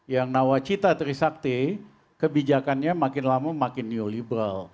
yang nawacita trisakti kebijakannya makin lama makin neoliberal